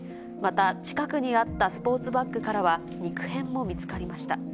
また近くにあったスポーツバッグからは、肉片も見つかりました。